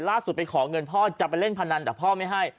ไปขอเงินพ่อจะไปเล่นพนันแต่พ่อไม่ให้